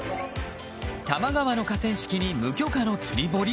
多摩川の河川敷に無許可の釣り堀？